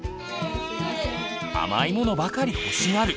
甘いものばかり欲しがる。